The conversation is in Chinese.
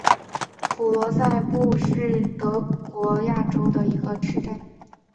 格罗赛布斯塔特是德国巴伐利亚州的一个市镇。